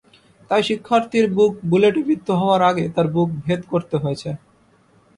তাই শিক্ষার্থীর বুক বুলেটে বিদ্ধ হওয়ার আগে তাঁর বুক ভেদ করতে হয়েছে।